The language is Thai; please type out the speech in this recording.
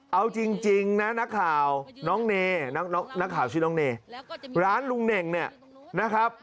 เอาจริงนะนักข่าวชื่อน้องเนร้านลุงเน่งเนี่ย